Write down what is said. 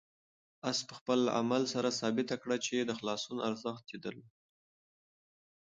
آس په خپل عمل سره ثابته کړه چې د خلاصون ارزښت یې درلود.